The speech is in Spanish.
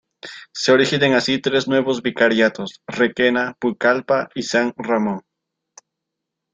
Se originan así tres nuevos Vicariatos: Requena, Pucallpa y San Ramón.